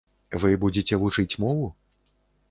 Вы будзеце вучыць мову?